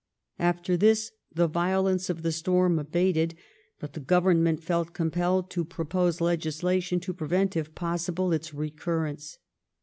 After this the violence of the storm abated, but the Government felt compelled to propose legislation to prevent, if possible, its recur rence.